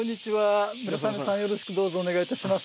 よろしくどうぞお願いいたします。